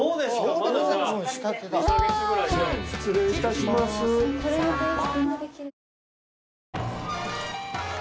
失礼いたします。